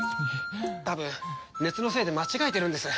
多分熱のせいで間違えてるんです。